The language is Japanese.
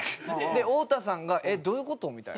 太田さんがえっどういう事？みたいな。